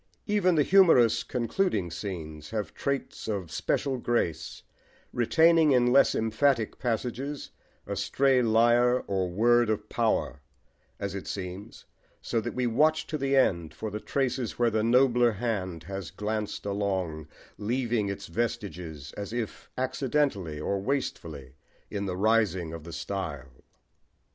Even the humorous concluding scenes have traits of special grace, retaining in less emphatic passages a stray lire or word of power, as it seems, so that we watch to the end for the traces where the nobler hand has glanced along, leaving its vestiges, as if accidentally or wastefully, in the rising of the style.